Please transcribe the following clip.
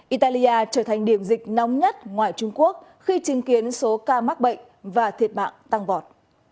italia trở thành điểm dịch nóng nhất ngoài trung quốc khi chứng kiến số ca mắc bệnh và thiệt mạng tăng vọt